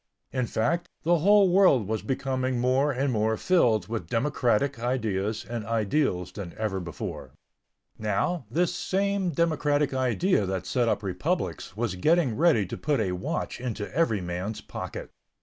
In fact, the whole world was becoming more and more filled with democratic ideas and ideals than ever before. Now, this same democratic idea that set up republics was getting ready to put a watch into every man's pocket.